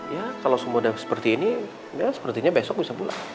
ya kalau semua udah seperti ini sepertinya besok bisa pulang